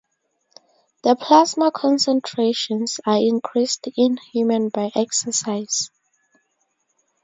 The plasma concentrations are increased in human by exercise.